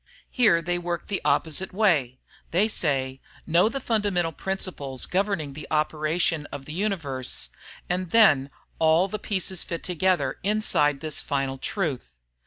Here they work the opposite way they say: "Know the fundamental principles governing the operation of the universe and then all the pieces fit together inside this final Truth."